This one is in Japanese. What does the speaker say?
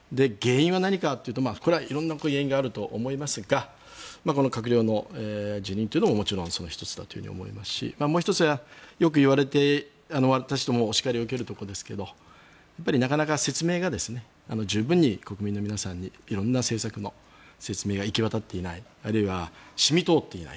原因は何かというと、これは色々な原因があると思いますがこの閣僚の辞任というのもその１つだと思いますしもう１つ、よく言われて私ども、お叱りを受けるところですがやっぱり説明が十分に国民の皆様に色んな政策の説明が行き渡っていないあるいは染み通っていない